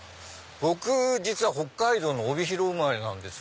僕実は北海道の帯広生まれです。